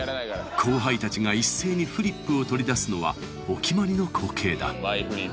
後輩たちが一斉にフリップを取り出すのはお決まりの光景だマイフリップ